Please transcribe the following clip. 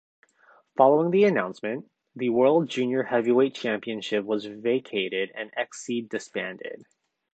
Following the announcement, the World Junior Heavyweight Championship was vacated and Xceed disbanded.